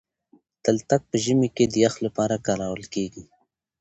تلتک په ژمي کي د يخ لپاره کارول کېږي.